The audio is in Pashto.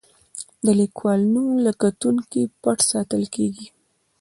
د لیکوال نوم له کتونکو پټ ساتل کیږي.